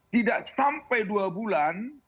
tidak sampai dua bulan